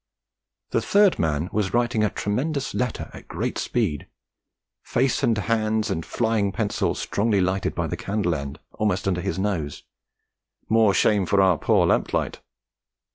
The third man was writing a tremendous letter, at great speed, face and hands and flying pencil strongly lighted by a candle end almost under his nose, more shame for our poor lamplight!